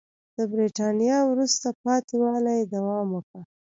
د برېټانیا وروسته پاتې والي دوام وکړ.